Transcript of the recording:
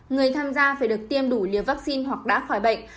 người tham gia phải được tiêm đủ liều vaccine hoặc đã khỏi bệnh